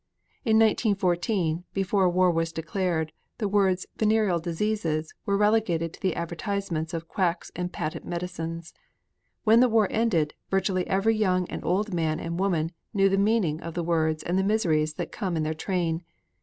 In 1914, before war was declared, the words "venereal diseases" were relegated to the advertisements of quacks and patent medicines. When the war ended, virtually every young and old man and woman knew the meaning of the words and the miseries that come in their train.